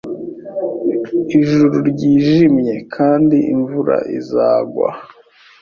Ijuru ryijimye kandi imvura izagwa.